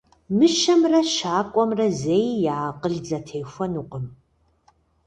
Мыщэмрэ щакӏуэмрэ зэи я акъыл зэтехуэнукъым.